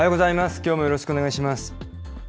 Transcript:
きょうもよろしくお願いします。